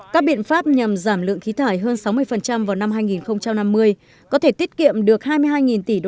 các biện pháp nhằm giảm lượng khí thải hơn sáu mươi vào năm hai nghìn năm mươi có thể tiết kiệm được hai mươi hai tỷ usd